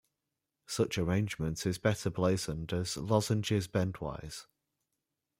Such arrangement is better blazoned as "lozenges bendwise".